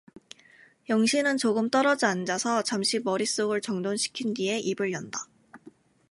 영신은 조금 떨어져 앉아서 잠시 머릿속을 정돈 시킨 뒤에 입을 연다.